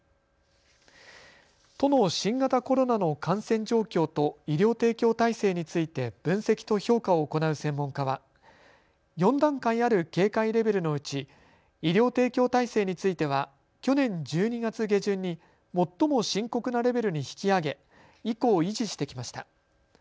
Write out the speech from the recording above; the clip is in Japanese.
都の新型コロナの感染状況と医療提供体制について分析と評価を行う専門家は４段階ある警戒レベルのうち医療提供体制については去年１２月下旬に最も深刻なレベルに引き上げ以降、維持してきました。